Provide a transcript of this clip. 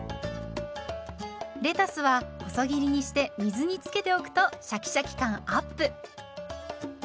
レタスは細切りにして水につけておくとシャキシャキ感アップ。